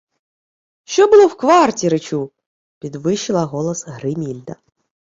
— Що було в кварті, речу? — підвищила голос Гримільда.